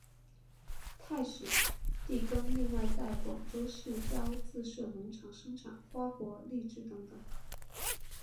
太史第更另外在广州市郊自设农场生产花果荔枝等等。